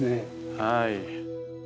はい。